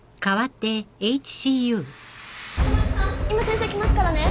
赤松さん今先生来ますからね。